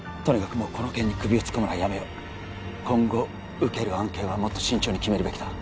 もうこの件に首を突っ込むのはやめよう今後受ける案件はもっと慎重に決めるべきだ